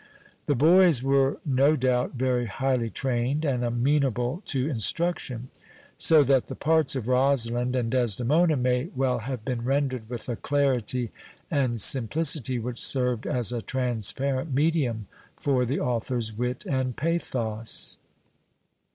Tiie boys were no doubt very highly trained, and amenable to instruction ; so that the parts of Rosalind and Desdemona may well have been rendered witli a clarity and siniplieity which served as a transparent medium for the author's wit and pathos.